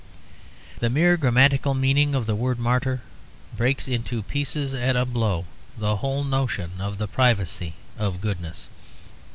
The mere grammatical meaning of the word 'martyr' breaks into pieces at a blow the whole notion of the privacy of goodness.